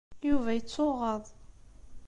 Yuba yettuɣaḍ.